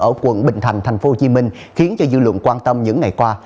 ở quận bình thành tp hcm khiến cho dư luận quan tâm những ngày qua